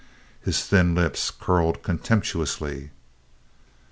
His thin lips curled contemptuously.